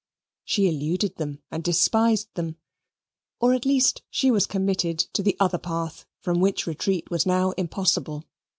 She eluded them and despised them or at least she was committed to the other path from which retreat was now impossible.